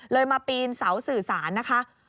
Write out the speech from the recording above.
มาปีนเสาสื่อสารนะคะ